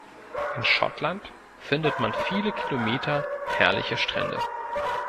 In Schottland findet man viele Kilometer herrlicher Strände.